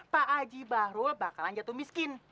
pak aji bahrul bakalan jatuh miskin